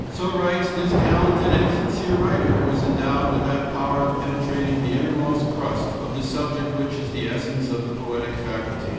So writes this talented and sincere writer, who is endowed with that power of penetrating to the innermost core of the subjects which is the essence of the poetic faculty.